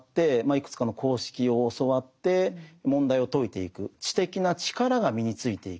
いくつかの公式を教わって問題を解いていく知的な力が身についていく。